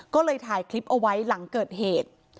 ก็เลยถ่ายคลิปเอาไว้หลังเกิดเหตุ